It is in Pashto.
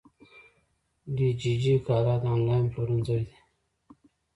دیجیجی کالا د انلاین پلورنځی دی.